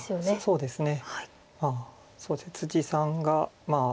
そうですね。